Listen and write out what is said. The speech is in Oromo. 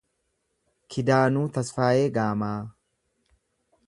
Kidaanuu Tasfaayee Gaamaa